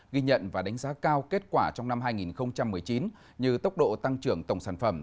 ghi nhận và đánh giá cao kết quả trong năm hai nghìn một mươi chín như tốc độ tăng trưởng tổng sản phẩm